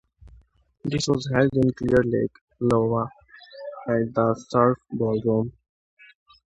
This was held in Clear Lake, Iowa, at the Surf Ballroom.